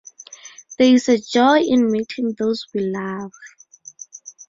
There is a joy in meeting those we love.